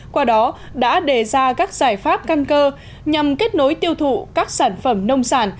qua đó đã đề ra các giải pháp căn cơ nhằm kết nối tiêu thụ các sản phẩm nông sản